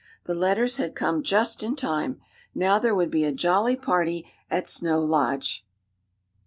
The letters had come just in time. Now there would be a jolly party at Snow Lodge.